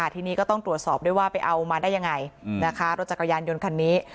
ทีนี้ก็ต้องตรวจสอบด้วยว่าไปเอามาได้ยังไงนะคะรถจักรยานยนต์คันนี้